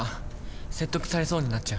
説得されそうになっちゃう。